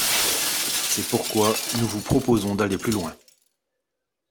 C’est pourquoi nous vous proposons d’aller plus loin.